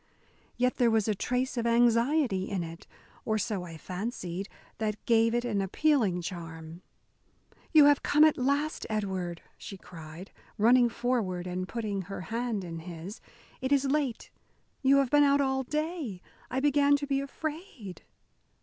Yet there was a trace of anxiety in it, or so I fancied, that gave it an appealing charm. "You have come at last, Edward," she cried, running forward and putting her hand in his. "It is late. You have been out all day; I began to be afraid."